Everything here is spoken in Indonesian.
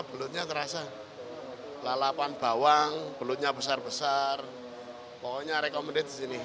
belutnya terasa lalapan bawang belutnya besar besar pokoknya rekomendasi ini